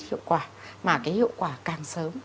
hiệu quả mà cái hiệu quả càng sớm